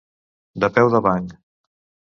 De peu de banc.